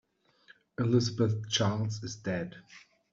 Elizabeth Charles is dead.